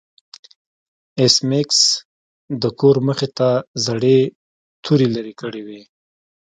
ایس میکس د کور مخې ته زړې توري لرې کړې وې